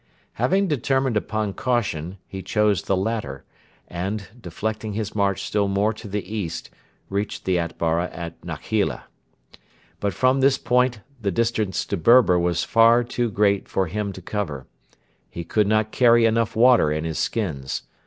Having determined upon caution he chose the latter, and, deflecting his march still more to the east, reached the Atbara at Nakheila. But from this point the distance to Berber was far too great for him to cover. He could not carry enough water in his skins.